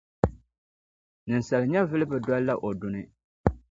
Ninsala nyɛvili bi dɔlla o duni ni.